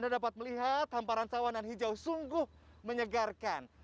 anda dapat melihat hamparan sawanan hijau sungguh menyegarkan